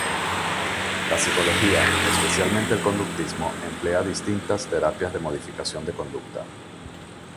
La psicología, especialmente el conductismo, emplea distintas terapias de modificación de conducta.